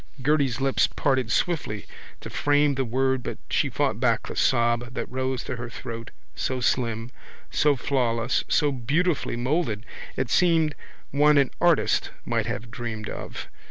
Gerty's lips parted swiftly to frame the word but she fought back the sob that rose to her throat, so slim, so flawless, so beautifully moulded it seemed one an artist might have dreamed of.